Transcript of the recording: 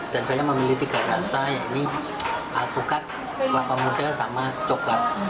dan saya memilih tiga rasa yaitu alpukat kelapa muda dan coklat